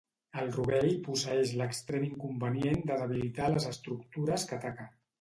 El rovell posseeix l'extrem inconvenient de debilitar les estructures que ataca.